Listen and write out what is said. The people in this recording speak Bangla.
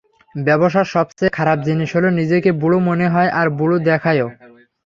ব্যবসার সবচেয়ে খারাপ জিনিস হল নিজেকে বুড়ো মনে হয় আর বুড়ো দেখায়ও।